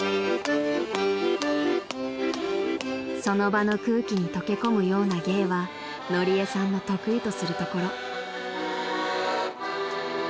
［その場の空気にとけ込むような芸はのりえさんの得意とするところ］